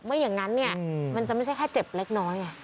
ไม่อย่างนั้นเนี่ยมันจะไม่ใช่แค่เจ็บเล็กน้อย